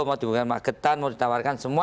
mau ditawarkan ke magetan mau ditawarkan semua